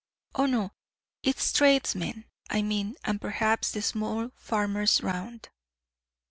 Oh, no. It's tradesmen I mean, and perhaps the small farmers round."